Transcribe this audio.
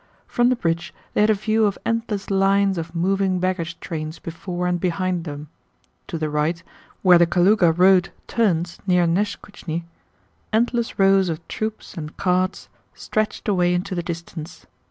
From the bridge they had a view of endless lines of moving baggage trains before and behind them. To the right, where the Kalúga road turns near Neskúchny, endless rows of troops and carts stretched away into the distance.